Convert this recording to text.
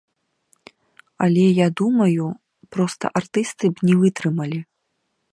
Але я думаю, проста артысты б не вытрымалі!